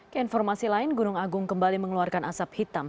ke informasi lain gunung agung kembali mengeluarkan asap hitam